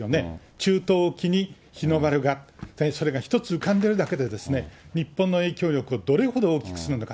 中東沖に日の丸が、それが一つ浮かんでるだけで日本の影響力をどれほど大きくするのか。